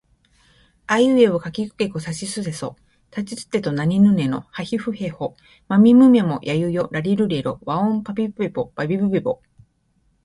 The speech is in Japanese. あいうえおかきくけこさしすせそたちつてとなにぬねのはひふへほまみむめもやゆよらりるれろわおんぱぴぷぺぽばびぶべぼ